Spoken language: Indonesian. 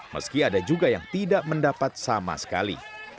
meski ada juga yang tidak mendapat sama sekali